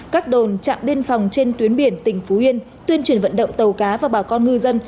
các đồn trạm biên phòng trên tuyến biển tỉnh phú yên tuyên truyền vận động tàu cá và bà con ngư dân